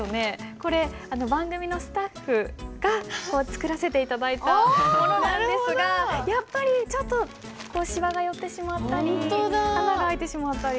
これ番組のスタッフが作らせて頂いたものなんですがやっぱりちょっとしわが寄ってしまったり穴が開いてしまったり。